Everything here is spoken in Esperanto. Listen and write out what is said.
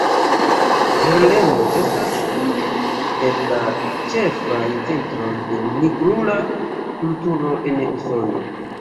Harlemo estas unu el la ĉefaj centroj de nigrula kulturo en Usono.